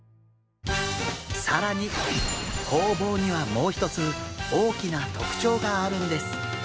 更にホウボウにはもう一つ大きな特徴があるんです。